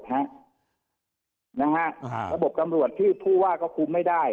ระบบตำรวจที่ผู้ว่าก็คุมไม่ได้